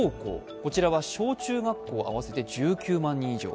こちらは小中学校合わせて１９万人以上。